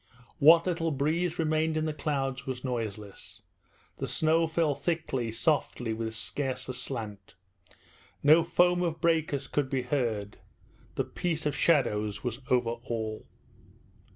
What little breeze remained in the clouds was noiseless. The snow fell thickly, softly, with scarce a slant. No foam of breakers could be heard. The peace of shadows was over all.